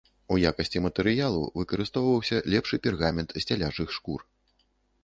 У якасці матэрыялу выкарыстоўваўся лепшы пергамент з цялячых шкур.